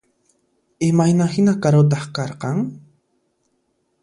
Imayna hina karutaq karqan?